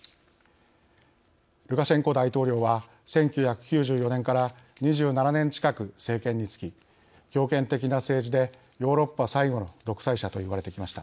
ルカシェンコ大統領は１９９４年から２７年近く政権につき強権的な政治でヨーロッパ最後の独裁者と言われてきました。